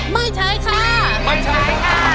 ไม่ใช้ค่ะไม่ใช้ค่ะ